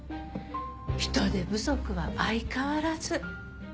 人手不足は相変わらず。